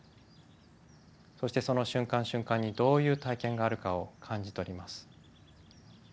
そしてその瞬間瞬間にどういう体験があるかを感じ取ります。